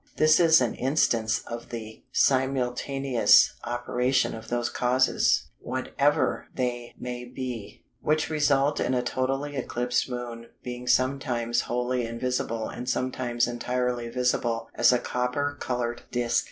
This is an instance of the simultaneous operation of those causes (whatever they may be) which result in a totally eclipsed Moon being sometimes wholly invisible and sometimes entirely visible as a copper coloured disc.